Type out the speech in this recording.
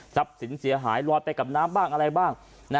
สินเสียหายลอยไปกับน้ำบ้างอะไรบ้าง